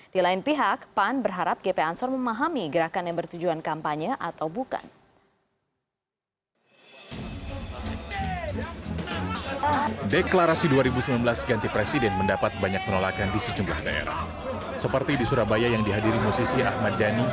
di lain pihak pan berharap gp ansor memahami gerakan yang bertujuan kampanye atau bukan